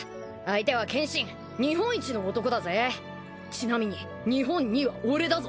ちなみに日本二は俺だぞ。